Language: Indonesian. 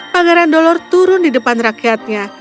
pangeran dolor turun di depan rakyatnya